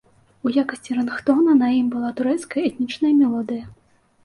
У якасці рынгтона на ім была турэцкая этнічная мелодыя.